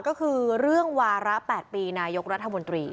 ก็คือเรื่องวาระ๘ปีนายกรัฐมนตรี